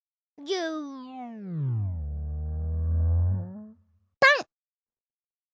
ぎゅぱん！